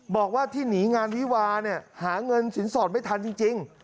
บอกว่าที่หนีงานวิวาเนี่ยหาเงินสินสอดไม่ทันจริง